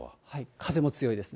風も強いです。